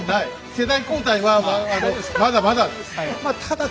世代交代はまだまだです。